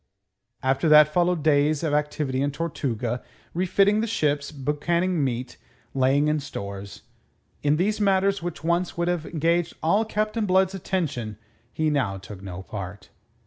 After that followed days of activity in Tortuga, refitting the ships, boucanning meat, laying in stores. In these matters which once would have engaged all Captain Blood's attention, he now took no part.